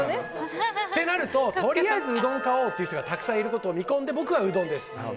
となると、とりあえずうどんを買おうという人がたくさんいることを見込んで僕は、うどんです。